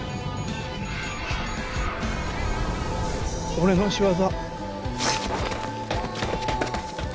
俺の仕業。